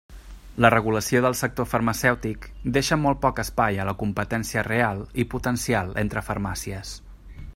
La regulació del sector farmacèutic deixa molt poc espai a la competència real i potencial entre farmàcies.